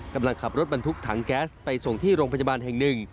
กำลังขับรถบรรทุกถังแก๊สไปส่งที่โรงพยาบาลแห่งหนึ่ง